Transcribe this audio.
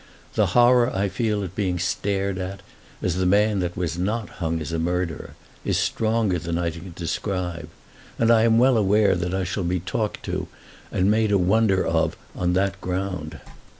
The horror I feel at being stared at, as the man that was not hung as a murderer, is stronger than I can describe; and I am well aware that I shall be talked to and made a wonder of on that ground.